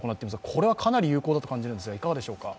これはかなり有効だと感じますが、いかがでしょうか。